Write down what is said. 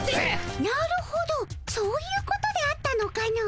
なるほどそういうことであったのかの。